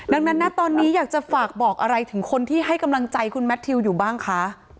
ดังนั้นนะตอนนี้อยากจะฝากบอกอะไรถึงคนที่ให้กำลังใจคุณแมททิวอยู่บ้างคะ